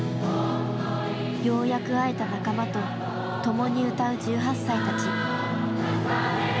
ようやく会えた仲間と共に歌う１８歳たち。